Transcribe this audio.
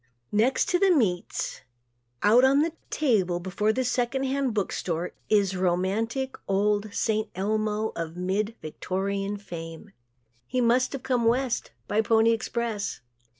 Next to the meats, out on a table before a second hand book store is romantic, old "St. Elmo" of mid Victorian fame. He must have come West by the "Pony Express."